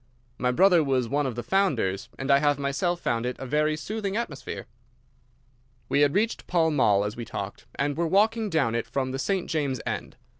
My brother was one of the founders, and I have myself found it a very soothing atmosphere." We had reached Pall Mall as we talked, and were walking down it from the St. James's end.